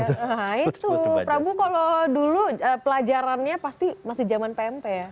nah itu prabu kalau dulu pelajarannya pasti masih zaman pmp ya